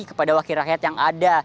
kepada wakil rakyat yang ada